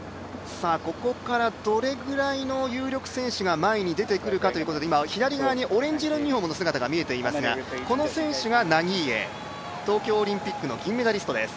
ここからどれぐらいの有力選手が前に出てくるかということで今、左側にオレンジ色のユニフォームの姿が見えていますがこの選手がナギーエ東京オリンピックの銀メダリストです。